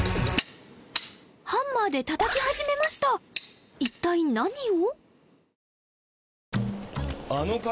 ハンマーで叩き始めました一体何を？